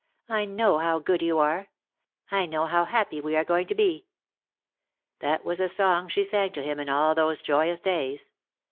"I know how good you are. I know how happy we are going to be." That was the song she sang to him in all those joyous days.